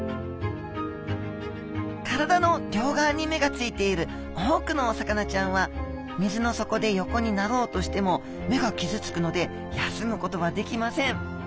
体の両側に目がついている多くのお魚ちゃんは水の底で横になろうとしても目が傷つくので休むことはできません。